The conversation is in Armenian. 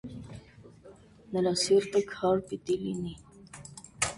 նրա սիրտը քար պիտի լինի: